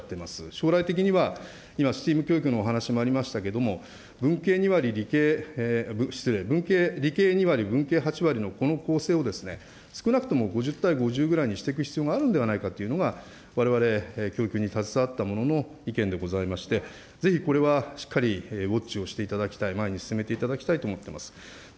将来的には、今、スティーム教育のお話もありましたけれども、文系、失礼、理系２割、文系８割のこの構成を、少なくとも５０対５０ぐらいにしていく必要があるんではないかというのが、われわれ、教育に携わった者の意見でございまして、ぜひこれはしっかりウォッチをしていただきたい、前に進めていただきたいと思っています。